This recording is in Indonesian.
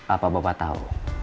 apa bapak tau